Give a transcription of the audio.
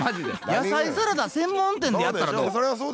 野菜サラダ専門店でやったらどう？